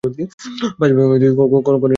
পাঁচ ভাই বোনের মধ্যে কনক চাঁপা তৃতীয়।